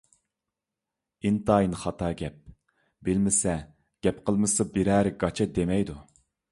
ئىنتايىن خاتا گەپ. بىلمىسە، گەپ قىلمىسا بىرەرى گاچا دېمەيدۇ.